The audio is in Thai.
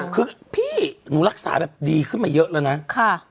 คือพี่หนูรักษาแบบดีขึ้นมาเยอะแล้วนะ